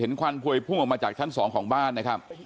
ควันพวยพุ่งออกมาจากชั้น๒ของบ้านนะครับ